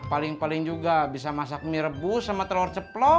paling paling juga bisa masak mie rebus sama telur ceplok